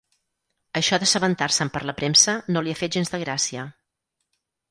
Això d'assabentar-se'n per la premsa no li ha fet gens de gràcia.